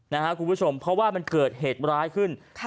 คุณผู้ชมเพราะว่ามันเกิดเหตุร้ายขึ้นค่ะ